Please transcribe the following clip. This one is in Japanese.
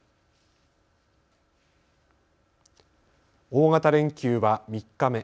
大型連休は３日目。